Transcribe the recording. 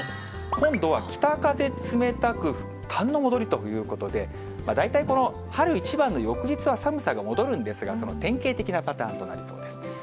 今度は北風冷たく、寒の戻りということで、大体、この春一番の翌日は寒さが戻るんですが、その典型的なパターンとなりそうです。